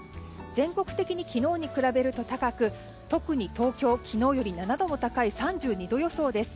全国的に昨日と比べると高く特に東京、昨日より７度も高い３２度予想です。